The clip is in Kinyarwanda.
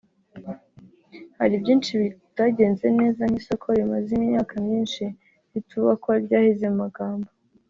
hari byinshi bitagenze neza nk’isoko rimaze imyaka myinshi ritubakwa ryaheze mu magambo